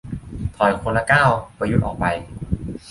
ถอยคนละก้าว ประยุทธ์ออกไป